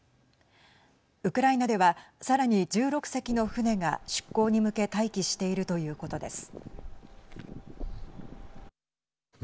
ウクライナではさらに１６隻の船が出港に向け待機しているということです。